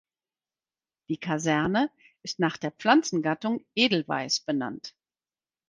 Die Kaserne ist nach der Pflanzengattung Edelweiß benannt.